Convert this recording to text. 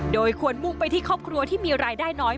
โดยควรมุ่งไปที่ครอบครัวที่มีรายได้น้อย